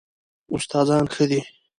استادان ښه دي؟